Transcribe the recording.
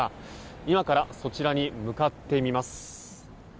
今からそちらに向かってみます。